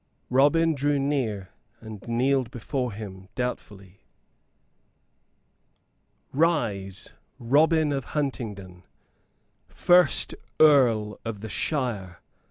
Robin drew near and kneeled before him, doubtfully. "Rise, Robin of Huntingdon, first Earl of the shire!"